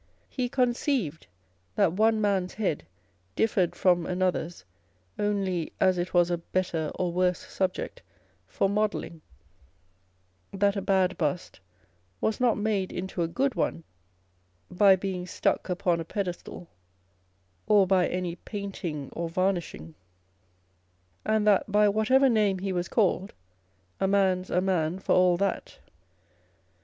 He conceived that one man's head differed from another's only as it was a better or worse subject for modelling ; that a bad bust was not made into a good one by being stuck upon a pedestal, or by any painting or varnishing ; and that by whatever name he was called, " a mans a man for a' that."